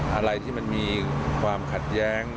อะไรที่มันมีความขัดแย้ง